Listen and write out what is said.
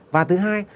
và thứ hai